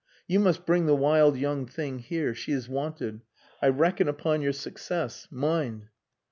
"You must bring the wild young thing here. She is wanted. I reckon upon your success mind!"